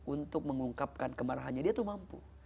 untuk mengungkapkan kemarahannya dia tuh mampu